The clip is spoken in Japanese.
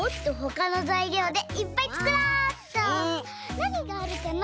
なにがあるかな？